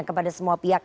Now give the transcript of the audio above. kepada semua pihak